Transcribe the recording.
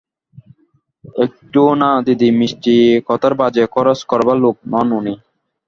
একটুও না দিদি, মিষ্টি কথার বাজে খরচ করবার লোক নন উনি।